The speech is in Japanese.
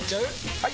・はい！